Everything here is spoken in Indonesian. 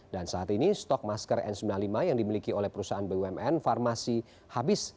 dan saat ini stok masker n sembilan puluh lima yang dimiliki oleh perusahaan bumn farmasi habis